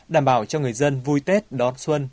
đảm bảo cho người dân vui tết đón xuân